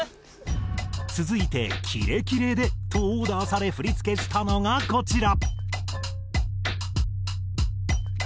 続いて「キレキレで」とオーダーされ振付したのがこちら。